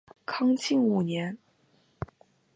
隆庆五年。